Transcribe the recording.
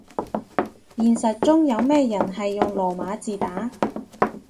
現實中有咩人係用羅馬字打